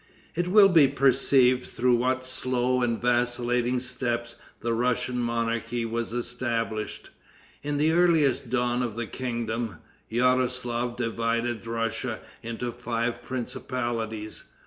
It will be perceived through what slow and vacillating steps the Russian monarchy was established. In the earliest dawn of the kingdom, Yaroslaf divided Russia into five principalities.